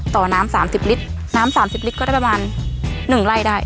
ต่อน้ำสามสิบลิตรน้ำสามสิบลิตรก็ได้ประมาณหนึ่งไร่ได้